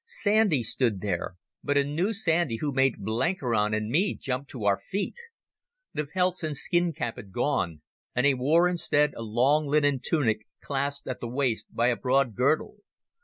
Sandy stood there, but a new Sandy who made Blenkiron and me jump to our feet. The pelts and skin cap had gone, and he wore instead a long linen tunic clasped at the waist by a broad girdle.